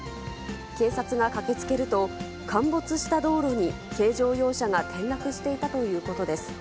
警察が駆けつけると、陥没した道路に軽乗用車が転落していたということです。